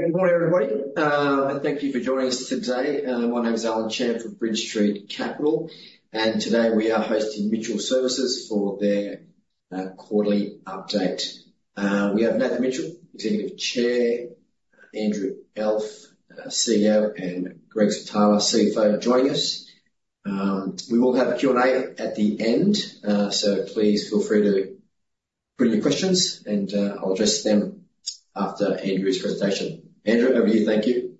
Good morning, everybody. Thank you for joining us today. My name is Alan Chan from Bridge Street Capital, and today we are hosting Mitchell Services for their quarterly update. We have Nathan Mitchell, Executive Chair, Andrew Elf, CEO, and Greg Switala, CFO, joining us. We will have a Q&A at the end, so please feel free to bring your questions, and I'll address them after Andrew's presentation. Andrew, over to you. Thank you.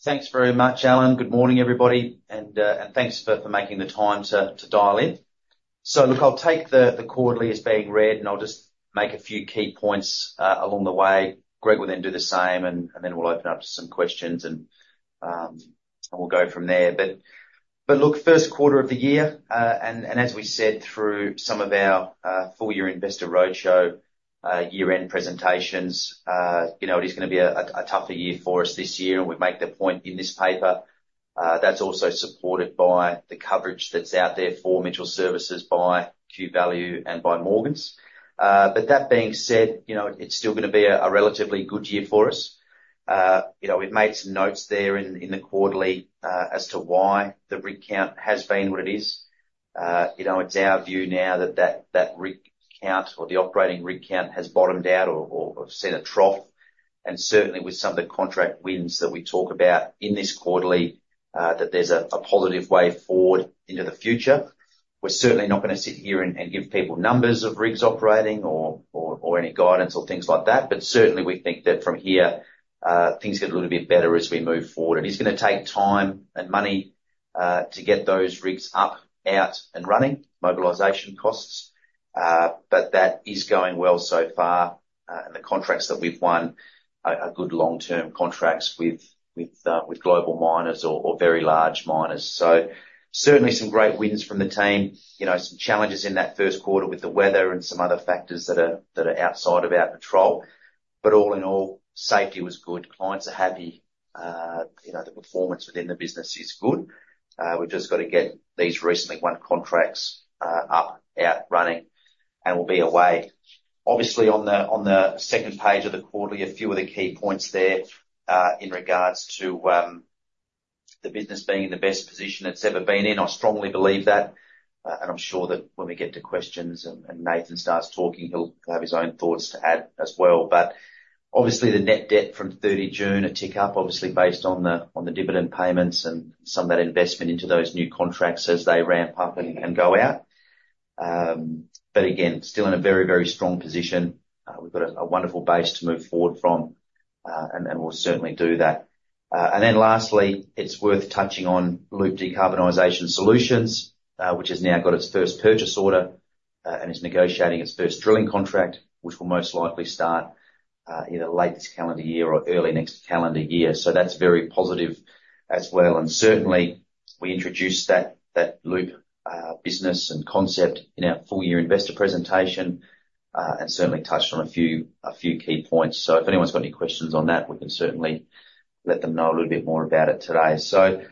Thanks very much, Alan. Good morning, everybody, and thanks for making the time to dial in. So look, I'll take the quarterly as being read, and I'll just make a few key points along the way. Greg will then do the same, and then we'll open up to some questions, and we'll go from there. But look, first quarter of the year, and as we said, through some of our full year investor roadshow, year-end presentations, you know, it is gonna be a tougher year for us this year, and we make that point in this paper. That's also supported by the coverage that's out there for Mitchell Services by Q Value and by Morgans. But that being said, you know, it's still gonna be a relatively good year for us. You know, we've made some notes there in the quarterly as to why the rig count has been what it is. You know, it's our view now that the rig count or the operating rig count has bottomed out or seen a trough, and certainly with some of the contract wins that we talk about in this quarterly, that there's a positive way forward into the future. We're certainly not gonna sit here and give people numbers of rigs operating or any guidance or things like that, but certainly we think that from here, things get a little bit better as we move forward, and it's gonna take time and money to get those rigs up, out, and running, mobilization costs. But that is going well so far, and the contracts that we've won are good long-term contracts with global miners or very large miners. So certainly some great wins from the team. You know, some challenges in that first quarter with the weather and some other factors that are outside of our control. But all in all, safety was good. Clients are happy. You know, the performance within the business is good. We've just got to get these recently won contracts up, out, running, and we'll be away. Obviously on the second page of the quarterly, a few of the key points there in regards to the business being in the best position it's ever been in. I strongly believe that, and I'm sure that when we get to questions and Nathan starts talking, he'll have his own thoughts to add as well. But obviously, the net debt from 30 June, a tick up, obviously based on the dividend payments and some of that investment into those new contracts as they ramp up and go out. But again, still in a very, very strong position. We've got a wonderful base to move forward from, and then we'll certainly do that. And then lastly, it's worth touching on Loop Decarbonization Solutions, which has now got its first purchase order, and is negotiating its first drilling contract, which will most likely start, either late this calendar year or early next calendar year. So that's very positive as well. Certainly, we introduced that Loop business and concept in our full year investor presentation, and certainly touched on a few key points, so if anyone's got any questions on that, we can certainly let them know a little bit more about it today, so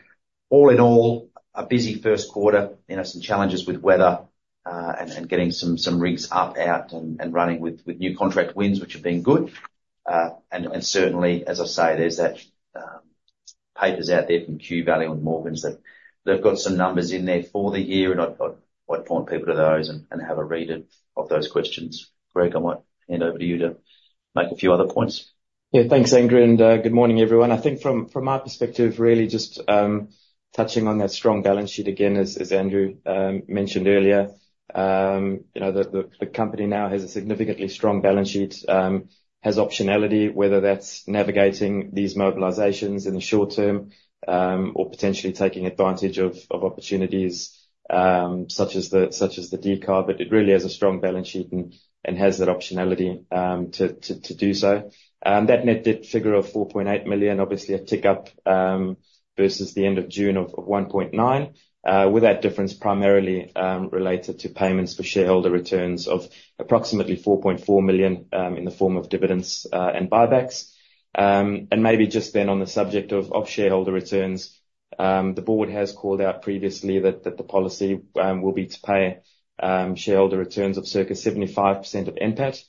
all in all, a busy first quarter. You know, some challenges with weather and getting some rigs up, out, and running with new contract wins, which have been good, and certainly, as I say, there's that reports out there from Q-Value and Morgans that they've got some numbers in there for the year, and I'd point people to those and have a read of those reports. Greg, I might hand over to you to make a few other points. Yeah. Thanks, Andrew, and good morning, everyone. I think from my perspective, really just touching on that strong balance sheet again, as Andrew mentioned earlier. You know, the company now has a significantly strong balance sheet. Has optionality, whether that's navigating these mobilizations in the short term, or potentially taking advantage of opportunities, such as the decarb. But it really has a strong balance sheet and has that optionality to do so. That net debt figure of 4.8 million, obviously a tick up versus the end of June of 1.9. With that difference primarily related to payments for shareholder returns of approximately 4.4 million in the form of dividends and buybacks. And maybe just then on the subject of shareholder returns, the board has called out previously that the policy will be to pay shareholder returns of circa 75% of NPAT.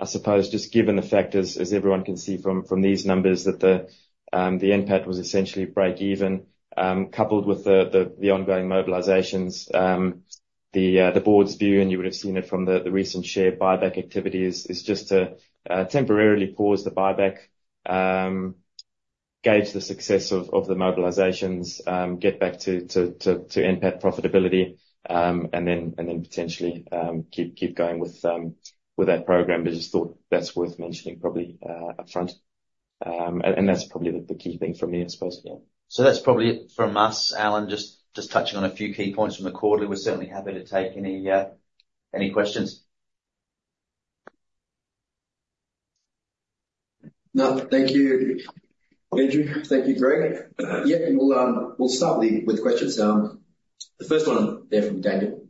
I suppose, just given the fact as everyone can see from these numbers, that the NPAT was essentially break even, coupled with the ongoing mobilizations, the board's view, and you would have seen it from the recent share buyback activity, is just to temporarily pause the buyback, gauge the success of the mobilizations, get back to NPAT profitability, and then potentially keep going with that program. But just thought that's worth mentioning, probably upfront. That's probably the key thing from me, I suppose. Yeah. So that's probably it from us, Alan, just touching on a few key points from the quarterly. We're certainly happy to take any questions. No, thank you, Andrew. Thank you, Greg. Yeah, and we'll start with the questions. The first one there from Daniel: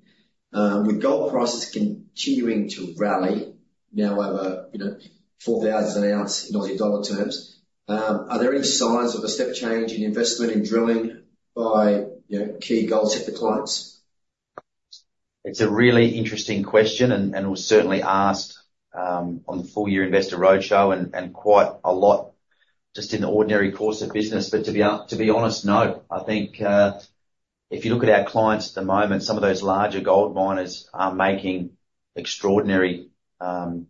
with gold prices continuing to rally now over, you know, 4,000 an ounce in Aussie dollar terms, are there any signs of a step change in investment in drilling by, you know, key gold sector clients?... It's a really interesting question, and was certainly asked on the full year investor roadshow, and quite a lot just in the ordinary course of business. But to be honest, no. I think if you look at our clients at the moment, some of those larger gold miners are making extraordinary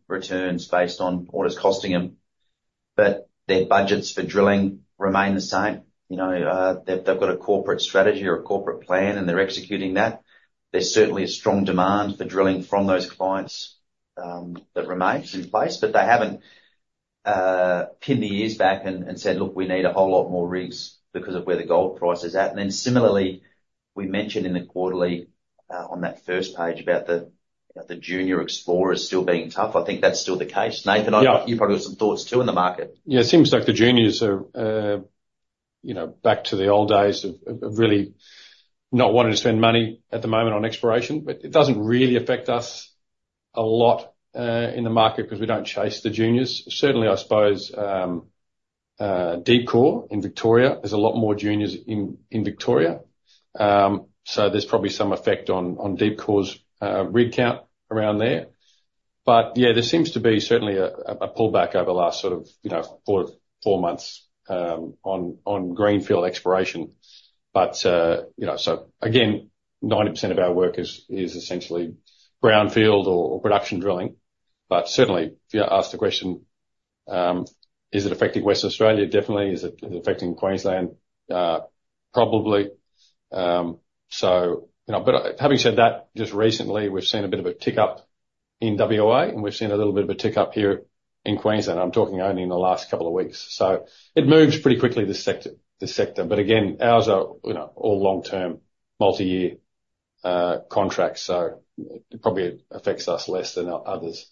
returns based on what it's costing them. But their budgets for drilling remain the same. You know, they've got a corporate strategy or a corporate plan, and they're executing that. There's certainly a strong demand for drilling from those clients that remains in place, but they haven't pinned their ears back and said, "Look, we need a whole lot more rigs because of where the gold price is at." And then similarly, we mentioned in the quarterly on that first page about the junior explorers still being tough. I think that's still the case. Nathan- Yeah. You've probably got some thoughts, too, in the market. Yeah, it seems like the juniors are, you know, back to the old days of really not wanting to spend money at the moment on exploration. But it doesn't really affect us a lot in the market, 'cause we don't chase the juniors. Certainly, I suppose, Deepcore in Victoria, there's a lot more juniors in Victoria. So there's probably some effect on Deepcore's rig count around there. But yeah, there seems to be certainly a pullback over the last sort of, you know, four months on greenfield exploration. But, you know, so again, 90% of our work is essentially brownfield or production drilling. But certainly, if you ask the question, is it affecting Western Australia? Definitely. Is it affecting Queensland? Probably. So... You know, but having said that, just recently we've seen a bit of a tick up in WA, and we've seen a little bit of a tick up here in Queensland. I'm talking only in the last couple of weeks. So it moves pretty quickly, this sector, this sector. But again, ours are, you know, all long-term, multi-year contracts, so it probably affects us less than others.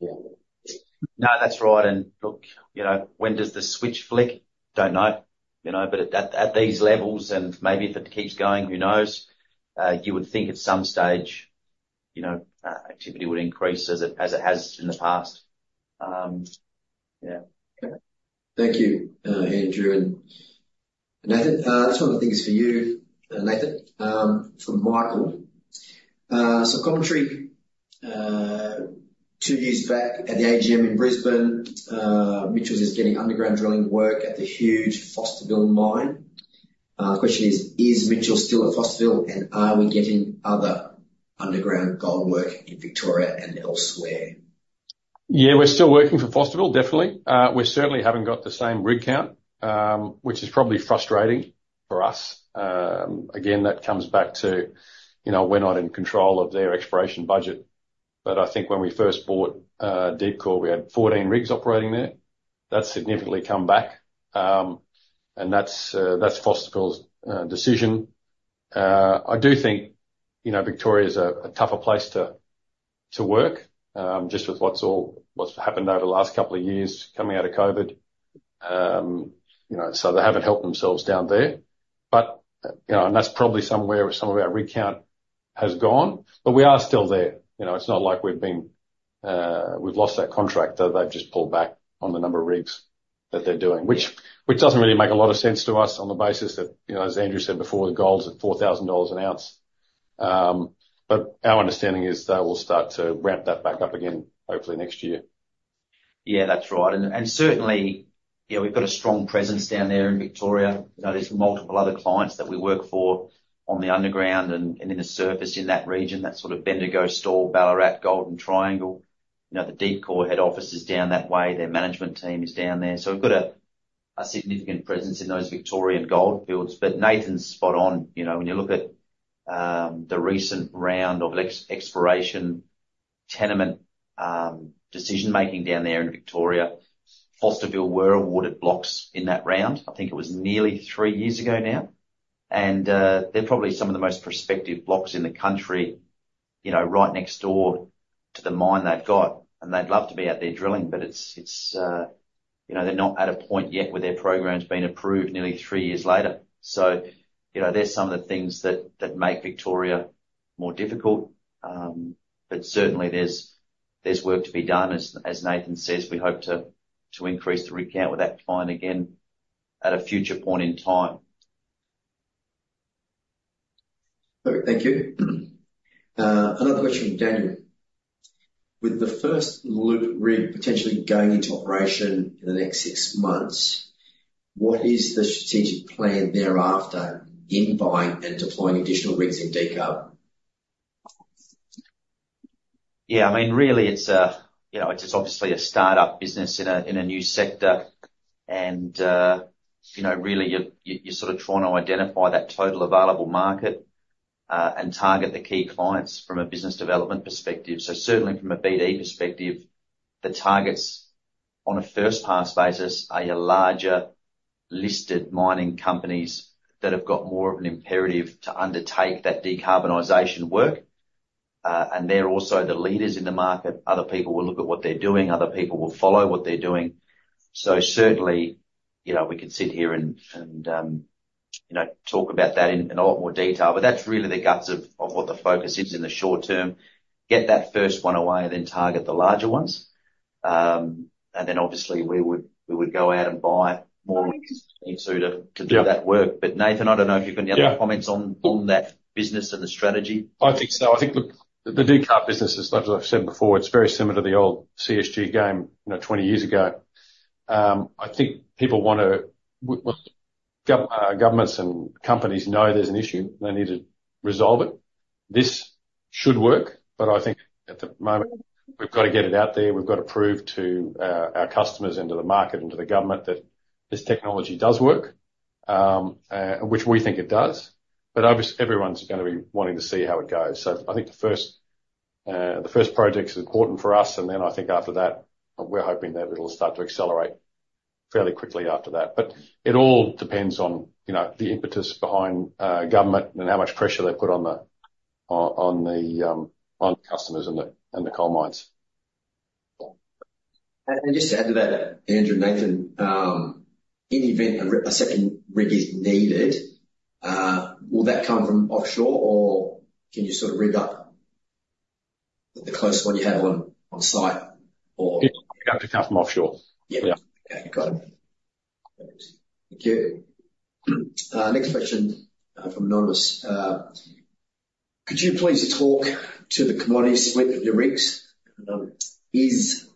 Yeah. No, that's right. And look, you know, when does the switch flick? Don't know. You know, but at these levels, and maybe if it keeps going, who knows? You would think at some stage, you know, activity would increase as it has in the past. Yeah. Thank you, Andrew and Nathan. This one, I think is for you, Nathan, from Michael so commentary two years back at the AGM in Brisbane, Mitchell's is getting underground drilling work at the huge Fosterville mine. The question is: Is Mitchell still at Fosterville, and are we getting other underground gold work in Victoria and elsewhere? Yeah, we're still working for Fosterville, definitely. We certainly haven't got the same rig count, which is probably frustrating for us. Again, that comes back to, you know, we're not in control of their exploration budget. But I think when we first bought Deepcore, we had 14 rigs operating there. That's significantly come back, and that's Fosterville's decision. I do think, you know, Victoria is a tougher place to work, just with what's happened over the last couple of years coming out of COVID. You know, so they haven't helped themselves down there. But, you know, and that's probably somewhere where some of our rig count has gone, but we are still there. You know, it's not like we've lost that contract. They've just pulled back on the number of rigs that they're doing, which doesn't really make a lot of sense to us on the basis that, you know, as Andrew said before, the gold's at 4,000 dollars an ounce, but our understanding is they will start to ramp that back up again, hopefully next year. Yeah, that's right. And certainly, you know, we've got a strong presence down there in Victoria. You know, there's multiple other clients that we work for on the underground and in the surface in that region, that sort of Bendigo, Stawell, Ballarat, golden triangle. You know, the Deepcore head office is down that way. Their management team is down there. So we've got a significant presence in those Victorian gold fields. But Nathan's spot on. You know, when you look at the recent round of exploration tenement decision-making down there in Victoria, Fosterville were awarded blocks in that round. I think it was nearly three years ago now. They're probably some of the most prospective blocks in the country, you know, right next door to the mine they've got, and they'd love to be out there drilling, but it's, you know, they're not at a point yet where their program's been approved nearly three years later. You know, they're some of the things that make Victoria more difficult. But certainly there's work to be done, as Nathan says, we hope to increase the rig count with that client again at a future point in time. Okay, thank you. Another question from Daniel: With the first Loop rig potentially going into operation in the next six months, what is the strategic plan thereafter in buying and deploying additional rigs in decarb? Yeah, I mean, really, it's a, you know, it's obviously a start-up business in a new sector. And, you know, really, you're sort of trying to identify that total available market, and target the key clients from a business development perspective. So certainly from a BD perspective, the targets on a first pass basis are your larger listed mining companies that have got more of an imperative to undertake that decarbonization work. And they're also the leaders in the market. Other people will look at what they're doing. Other people will follow what they're doing. So certainly, you know, we could sit here and, you know, talk about that in a lot more detail, but that's really the guts of what the focus is in the short term. Get that first one away, and then target the larger ones.... and then obviously we would go out and buy more to do that work. Yeah. But, Nathan, I don't know if you've any other comments? Yeah on, on that business and the strategy? I think so. I think the decarb business is, much as I've said before, it's very similar to the old CSG game, you know, twenty years ago. I think people want to governments and companies know there's an issue, and they need to resolve it. This should work, but I think at the moment, we've got to get it out there. We've got to prove to our customers, and to the market, and to the government, that this technology does work, which we think it does. But obviously, everyone's gonna be wanting to see how it goes. So I think the first project's important for us, and then I think after that, we're hoping that it'll start to accelerate fairly quickly after that. But it all depends on, you know, the impetus behind government and how much pressure they put on the customers and the coal mines. And then just to add to that, Andrew, Nathan, in the event a second rig is needed, will that come from offshore, or can you sort of rig up with the close one you have on site, or? Yeah. We'd have to come from offshore. Yeah. Yeah. Okay, got it. Thank you. Next question from Anonymous. Could you please talk to the commodity split of your rigs? Is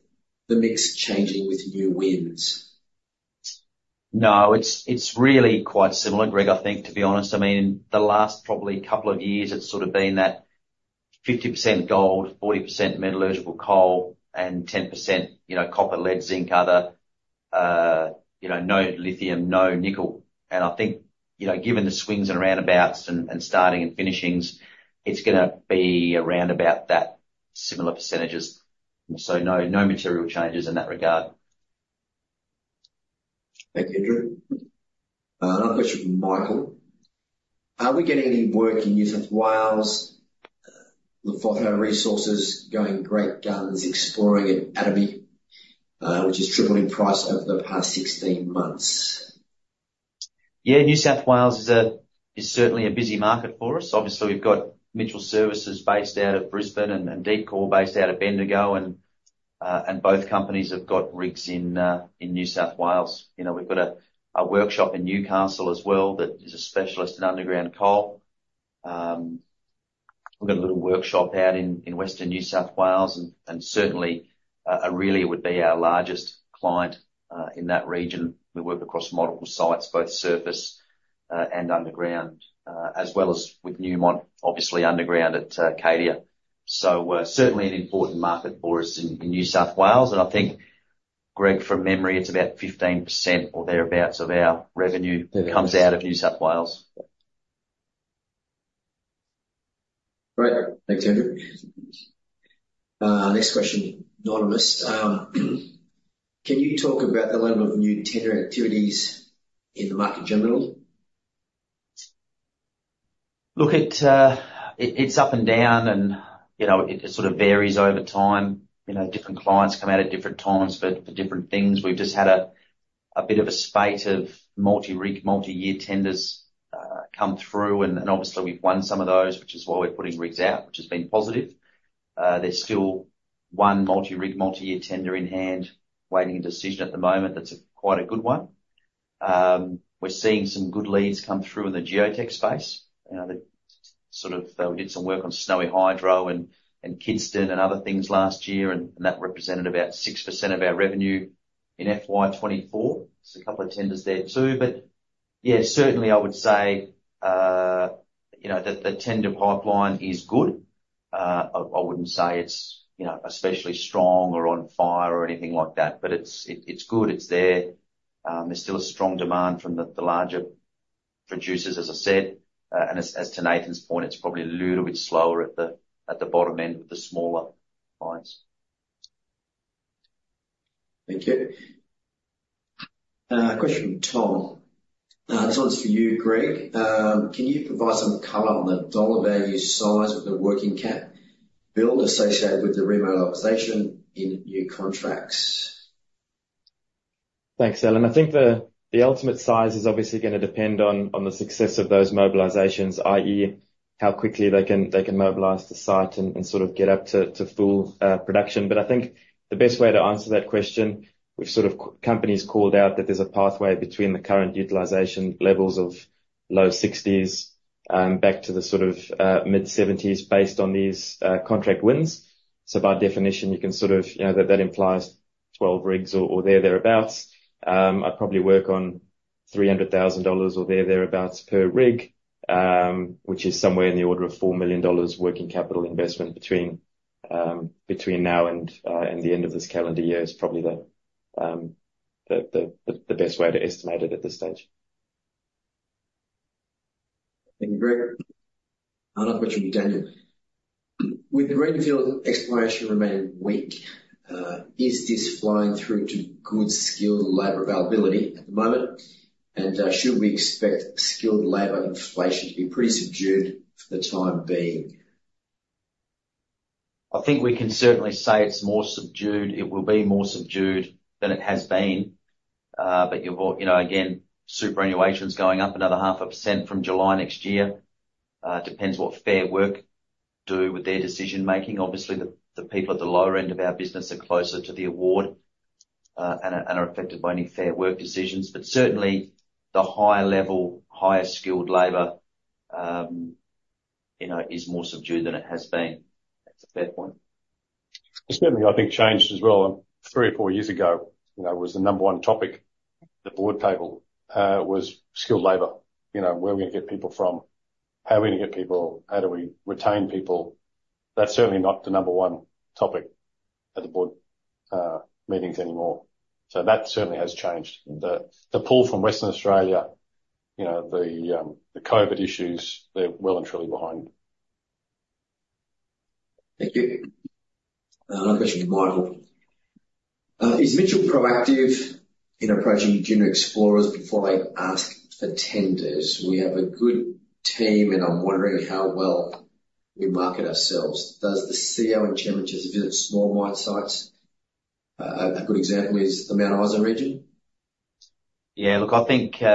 the mix changing with new wins? No, it's really quite similar, Greg, I think, to be honest. I mean, the last probably couple of years, it's sort of been that 50% gold, 40% metallurgical coal, and 10%, you know, copper, lead, zinc, other, you know, no lithium, no nickel, and I think, you know, given the swings and roundabouts and starting and finishings, it's gonna be around about that, similar percentages, so no, no material changes in that regard. Thanks, Andrew. Another question from Michael: Are we getting any work in New South Wales? Larvotto Resources going great guns, exploring at Ataby, which has tripled in price over the past 16 months. Yeah, New South Wales is certainly a busy market for us. Obviously, we've got Mitchell Services based out of Brisbane and Deepcore based out of Bendigo, and both companies have got rigs in New South Wales. You know, we've got a workshop in Newcastle as well, that is a specialist in underground coal. We've got a little workshop out in western New South Wales, and certainly Aurelia would be our largest client in that region. We work across multiple sites, both surface and underground, as well as with Newmont, obviously underground at Cadia. So, certainly an important market for us in New South Wales, and I think, Greg, from memory, it's about 15% or thereabouts of our revenue- Yeah. comes out of New South Wales. Great. Thanks, Andrew. Next question, Anonymous. Can you talk about the level of new tender activities in the market in general? Look, it's up and down, and, you know, it sort of varies over time. You know, different clients come out at different times for different things. We've just had a bit of a spate of multi-rig, multi-year tenders come through, and obviously we've won some of those, which is why we're putting rigs out, which has been positive. There's still one multi-rig, multi-year tender in hand waiting a decision at the moment, that's quite a good one. We're seeing some good leads come through in the geotech space. You know, the sort of we did some work on Snowy Hydro, and Kidston, and other things last year, and that represented about 6% of our revenue in FY 2024. There's a couple of tenders there, too. But yeah, certainly I would say, you know, that the tender pipeline is good. I wouldn't say it's, you know, especially strong, or on fire, or anything like that, but it's good, it's there. There's still a strong demand from the larger producers, as I said, and as to Nathan's point, it's probably a little bit slower at the bottom end with the smaller clients. Thank you. Question from Tom. This one's for you, Greg. Can you provide some color on the dollar value size of the working cap build associated with the remote mobilization in new contracts? Thanks, Alan. I think the ultimate size is obviously gonna depend on the success of those mobilizations, i.e., how quickly they can mobilize the site and sort of get up to full production. But I think the best way to answer that question, which sort of company's called out, that there's a pathway between the current utilization levels of low sixties back to the sort of mid-seventies, based on these contract wins. So by definition, you can sort of you know that that implies 12 rigs or thereabouts. I'd probably work on 300,000 dollars or thereabouts, per rig, which is somewhere in the order of 4 million dollars working capital investment between now and the end of this calendar year. This is probably the best way to estimate it at this stage. Thank you, Greg. Another question from Daniel: With the greenfield exploration remaining weak, is this flowing through to good skilled labor availability at the moment? And, should we expect skilled labor inflation to be pretty subdued for the time being? I think we can certainly say it's more subdued. It will be more subdued than it has been. But you've got, you know, again, superannuation's going up another 0.5% from July next year. Depends what Fair Work do with their decision making. Obviously, the people at the lower end of our business are closer to the award, and are affected by any Fair Work decisions. But certainly, the higher level, higher skilled labor, you know, is more subdued than it has been. That's a fair point. It's certainly, I think, changed as well. Three or four years ago, you know, was the number one topic, the board table, was skilled labor. You know, where are we going to get people from? How are we going to get people? How do we retain people? That's certainly not the number one topic at the board meetings anymore. So that certainly has changed. The pull from Western Australia, you know, the COVID issues, they're well and truly behind. Thank you. Another question from Michael. "Is Mitchell proactive in approaching junior explorers before they ask for tenders? We have a good team, and I'm wondering how well we market ourselves. Does the CEO and chairman just visit small mine sites? A good example is the Mount Isa region. Yeah, look, I think, you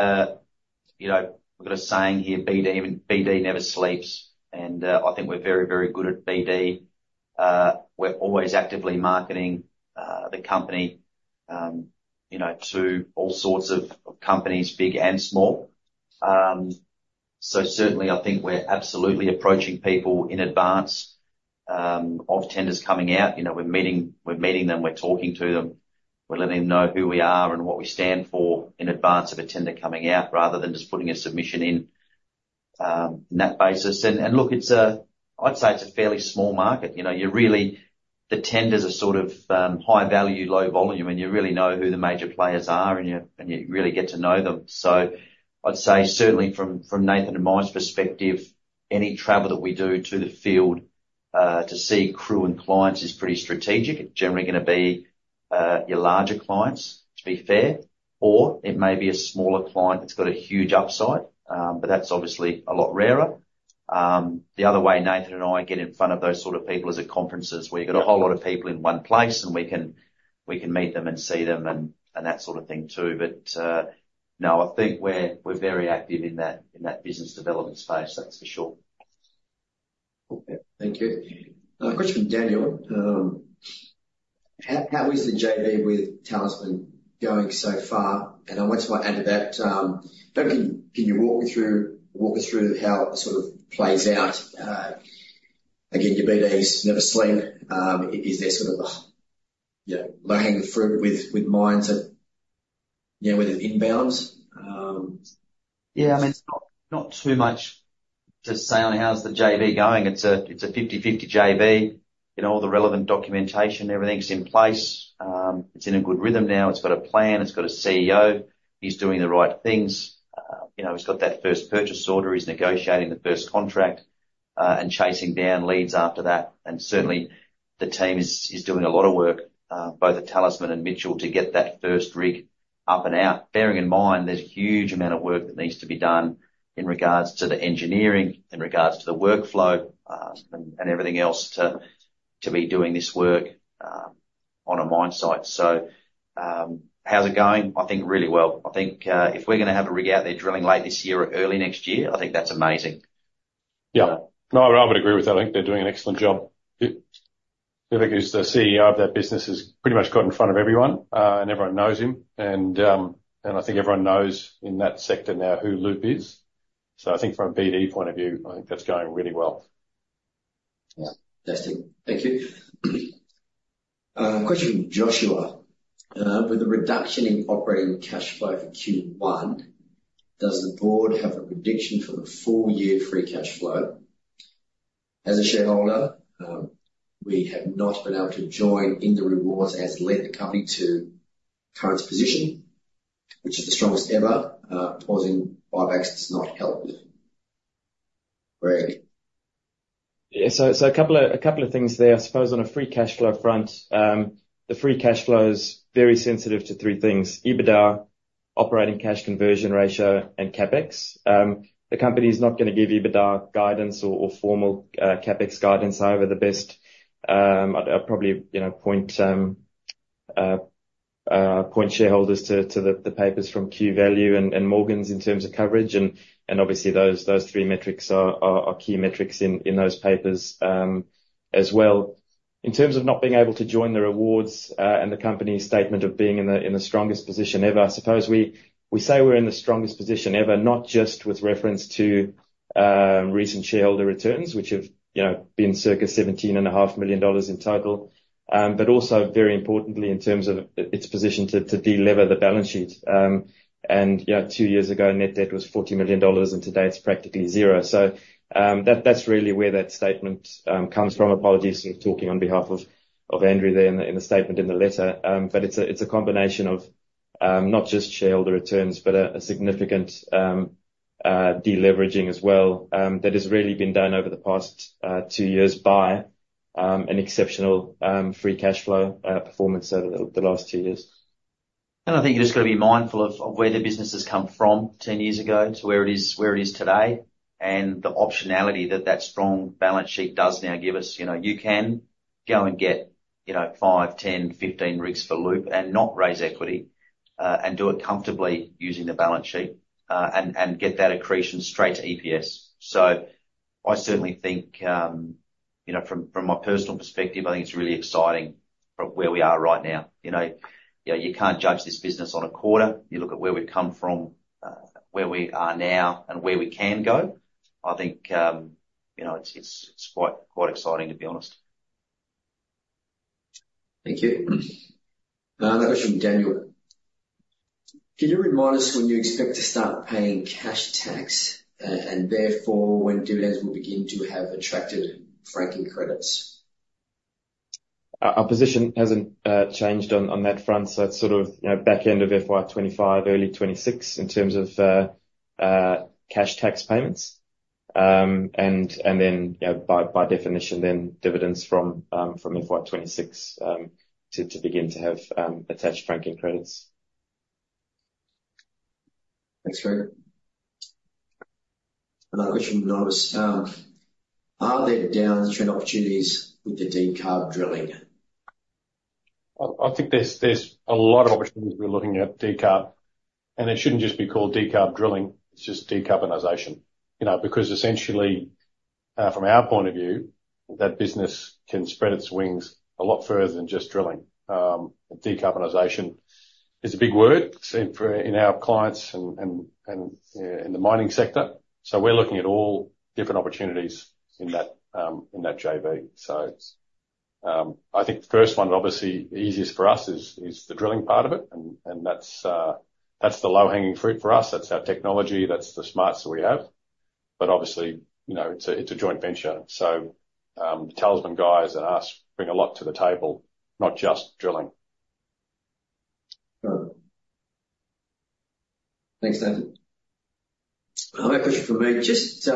know, we've got a saying here, BD, I mean, BD never sleeps. And, I think we're very, very good at BD. We're always actively marketing, the company, you know, to all sorts of, of companies, big and small. So certainly, I think we're absolutely approaching people in advance, of tenders coming out. You know, we're meeting them, we're talking to them. We're letting them know who we are and what we stand for, in advance of a tender coming out, rather than just putting a submission in, on that basis. And look, it's a I'd say it's a fairly small market. You know, you're really the tenders are sort of, high value, low volume, and you really know who the major players are, and you really get to know them. So I'd say, certainly from Nathan and mine's perspective, any travel that we do to the field to see crew and clients is pretty strategic. It's generally gonna be your larger clients, to be fair, or it may be a smaller client that's got a huge upside. But that's obviously a lot rarer. The other way Nathan and I get in front of those sort of people is at conferences, where you've got a whole lot of people in one place, and we can meet them and see them and that sort of thing, too. But no, I think we're very active in that business development space, that's for sure. Okay, thank you. A question from Daniel. "How is the JV with Talisman going so far? And I might as well add to that, maybe can you walk me through how it sort of plays out? Again, your BDs never sleep. Is there sort of a, you know, low-hanging fruit with mines that... You know, whether it's inbounds? Yeah, I mean, it's not, not too much to say on how's the JV going. It's a, it's a fifty-fifty JV. You know, all the relevant documentation, everything's in place. It's in a good rhythm now. It's got a plan, it's got a CEO. He's doing the right things. You know, he's got that first purchase order. He's negotiating the first contract, and chasing down leads after that. And certainly, the team is doing a lot of work, both at Talisman and Mitchell, to get that first rig up and out. Bearing in mind, there's a huge amount of work that needs to be done in regards to the engineering, in regards to the workflow, and everything else, to be doing this work, on a mine site. So, how's it going? I think really well. I think, if we're gonna have a rig out there drilling late this year or early next year, I think that's amazing. Yeah. No, I would agree with that. I think they're doing an excellent job. Luke, who's the CEO of that business, has pretty much got in front of everyone, and everyone knows him, and I think everyone knows in that sector now who Luke is. So I think from a BD point of view, I think that's going really well. Yeah. Fantastic. Thank you. Question from Joshua: "With the reduction in operating cash flow for Q1, does the board have a prediction for the full year free cash flow? As a shareholder, we have not been able to join in the rewards that has led the company to current position, which is the strongest ever. Pausing buybacks does not help. Greg? Yeah, so a couple of things there. I suppose on a free cash flow front, the free cash flow is very sensitive to three things: EBITDA, operating cash conversion ratio, and CapEx. The company is not gonna give EBITDA guidance or formal CapEx guidance. However, the best... I'd probably, you know, point shareholders to the papers from Q-Value and Morgans in terms of coverage. And obviously those three metrics are key metrics in those papers as well. In terms of not being able to join the rewards, and the company's statement of being in the strongest position ever, I suppose we say we're in the strongest position ever, not just with reference to recent shareholder returns, which have, you know, been circa 17.5 million dollars in total. But also very importantly, in terms of its position to delever the balance sheet. And, you know, two years ago, net debt was 40 million dollars, and today it's practically zero. So, that's really where that statement comes from. Apologies, I'm talking on behalf of Andrew there in the statement in the letter. But it's a combination of not just shareholder returns, but a significant deleveraging as well, that has really been done over the past two years by an exceptional free cash flow performance over the last two years. I think you've just got to be mindful of where the business has come from ten years ago to where it is today, and the optionality that that strong balance sheet does now give us. You know, you can go and get, you know, five, 10, 15 rigs for Loop and not raise equity, and do it comfortably using the balance sheet. And get that accretion straight to EPS. So I certainly think, you know, from my personal perspective, I think it's really exciting from where we are right now. You know, yeah, you can't judge this business on a quarter. You look at where we've come from, where we are now, and where we can go. I think, you know, it's quite exciting, to be honest. Thank you. That was from Daniel. Can you remind us when you expect to start paying cash tax, and therefore, when dividends will begin to have attracted franking credits? Our position hasn't changed on that front, so it's sort of, you know, back end of FY 2025, early 2026, in terms of cash tax payments, and then, you know, by definition, then dividends from FY 2026 to begin to have attached franking credits. Thanks, Greg. Another question from Anonymous. Are there downstream opportunities with the decarb drilling? I think there's a lot of opportunities we're looking at decarb, and it shouldn't just be called decarb drilling, it's just decarbonization. You know, because essentially, from our point of view, that business can spread its wings a lot further than just drilling. Decarbonization is a big word, same for in our clients and in the mining sector. So we're looking at all different opportunities in that, in that JV. So, I think the first one, obviously easiest for us, is the drilling part of it, and that's the low-hanging fruit for us. That's our technology, that's the smarts that we have. But obviously, you know, it's a joint venture. So, the Talisman guys and us bring a lot to the table, not just drilling. Sure. Thanks, Nathan. Another question from me. Just,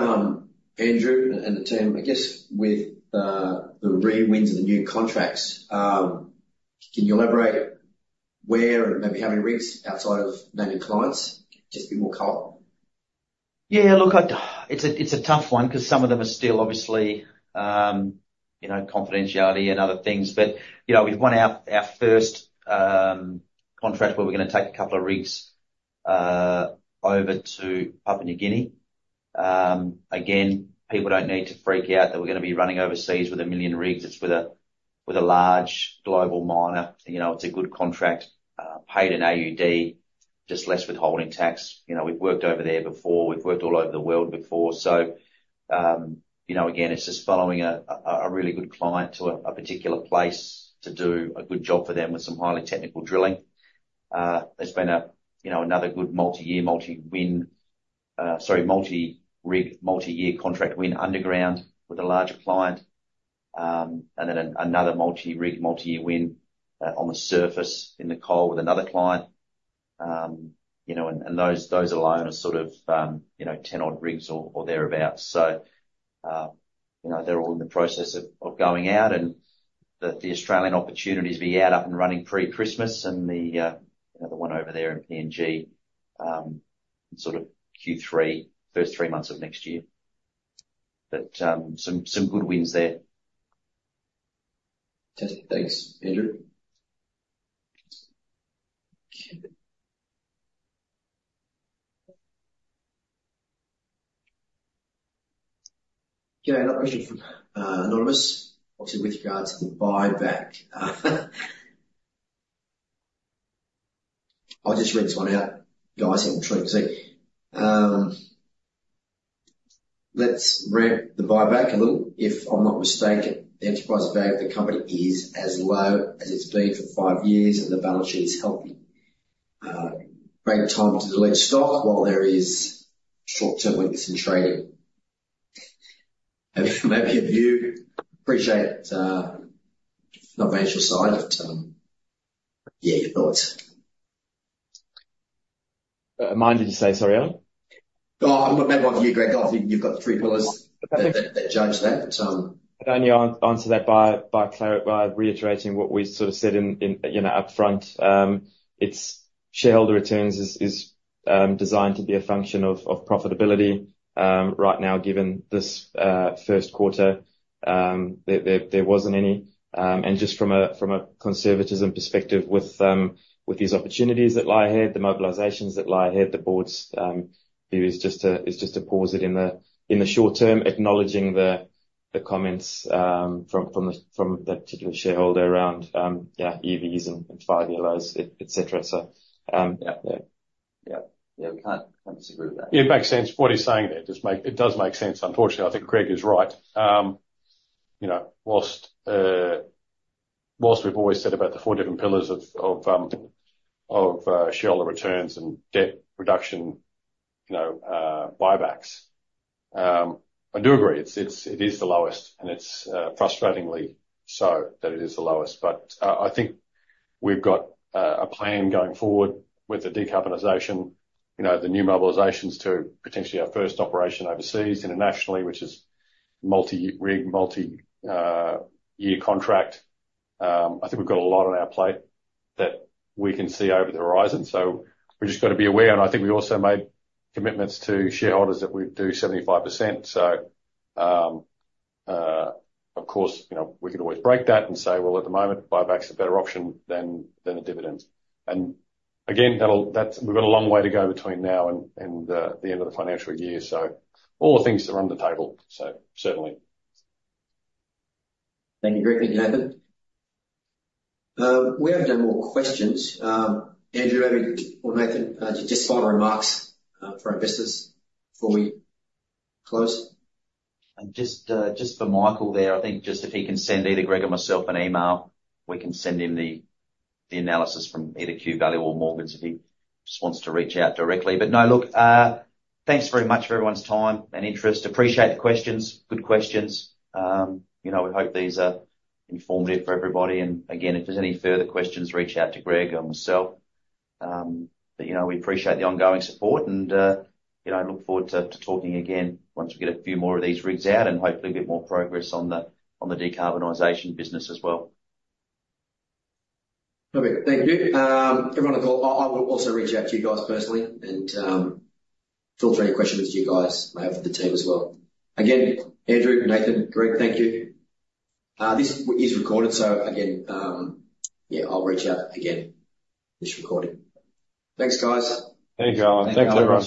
Andrew and the team, I guess, with the re-wins and the new contracts, can you elaborate where, and maybe how many rigs outside of named clients? Just be more clear. Yeah, look, it's a tough one, 'cause some of them are still obviously, you know, confidentiality and other things. But, you know, we've won our first contract where we're gonna take a couple of rigs over to Papua New Guinea. Again, people don't need to freak out that we're gonna be running overseas with a million rigs. It's with a large global miner. You know, it's a good contract, paid in AUD, just less withholding tax. You know, we've worked over there before. We've worked all over the world before. So, you know, again, it's just following a really good client to a particular place to do a good job for them with some highly technical drilling. There's been a, you know, another good multi-year, multi-rig, multi-year contract win underground with a larger client. And then another multi-rig, multi-year win on the surface in the coal with another client. You know, and those alone are sort of, you know, 10 odd rigs or thereabout. So, you know, they're all in the process of going out, and the Australian opportunities will be out up and running pre-Christmas, and the, you know, the one over there in PNG, sort of Q3, first three months of next year. But some good wins there. Thanks, Andrew. Okay. Gosh, anonymous, obviously with regard to the buyback. I'll just read this one out, guys, have to, you see. Let's ramp the buyback a little. If I'm not mistaken, the enterprise value of the company is as low as it's been for five years, and the balance sheet is healthy. Great time to buy the stock while there is short-term weakness in trading. Maybe if you appreciate, not financial side, but, yeah, your thoughts? Mine, did you say? Sorry, Alan. Oh, I'm not maybe with you, Greg. I think you've got the three pillars that judge that. I can only answer that by reiterating what we sort of said in you know, upfront. It's shareholder returns is designed to be a function of profitability. Right now, given this first quarter, there wasn't any. And just from a conservatism perspective with these opportunities that lie ahead, the mobilizations that lie ahead, the board's view is just to pause it in the short term, acknowledging the comments from that particular shareholder around yeah, EVs and five-year lows, et cetera. So, yeah. Yeah. Yeah, we can't disagree with that. It makes sense what he's saying there. It does make sense. Unfortunately, I think Greg is right. You know, whilst we've always said about the four different pillars of shareholder returns and debt reduction, you know, buybacks, I do agree. It is the lowest, and it's frustratingly so that it is the lowest. But I think we've got a plan going forward with the decarbonization, you know, the new mobilizations to potentially our first operation overseas, internationally, which is multi-rig, multi-year contract. I think we've got a lot on our plate that we can see over the horizon, so we've just got to be aware, and I think we also made commitments to shareholders that we'd do 75%. So, of course, you know, we could always break that and say, "Well, at the moment, buyback's a better option than a dividend." And again, that'll. We've got a long way to go between now and the end of the financial year, so all the things are on the table, so certainly. Thank you, Greg and Nathan. We have no more questions. Andrew, maybe or Nathan, just final remarks for our investors before we close? Just for Michael there, I think just if he can send either Greg or myself an email, we can send him the analysis from either Q Value or Morgans, if he just wants to reach out directly. But no, look, thanks very much for everyone's time and interest. Appreciate the questions, good questions. You know, we hope these are informative for everybody, and again, if there's any further questions, reach out to Greg or myself. But you know, we appreciate the ongoing support and, you know, look forward to talking again, once we get a few more of these rigs out, and hopefully a bit more progress on the decarbonization business as well. Okay. Thank you. Everyone, I will also reach out to you guys personally and filter any questions you guys may have for the team as well. Again, Andrew, Nathan, Greg, thank you. This is recorded, so again, yeah, I'll reach out again. This is recording. Thanks, guys. Thank you, Alan. Thanks, everyone.